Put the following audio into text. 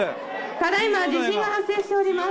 ただいま地震が発生しています。